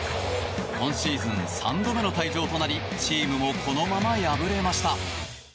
今シーズン３度目の退場となりチームもこのまま敗れました。